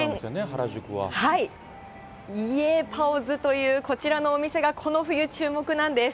イェーパオズという、こちらのお店が、この冬注目なんです。